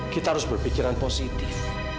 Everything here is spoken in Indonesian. kita harus berpikiran positif